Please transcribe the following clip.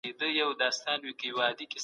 د عبادت څخه انکار کفر دی